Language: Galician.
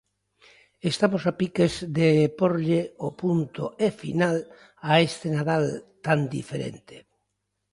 Estamos a piques de pórlle o punto e final a este Nadal tan diferente.